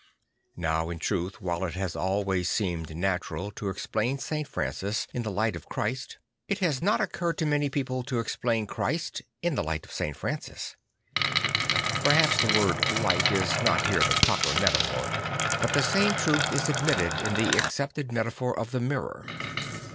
Now in truth while it has always seemed natural to explain St. Francis in the light of Christ, it has not occurred to many people to explain Christ in the light of St. Francis. Perhaps the word "light" is not here the proper metaphor; but the same truth is admitted in the accepted metaphor of the mirror.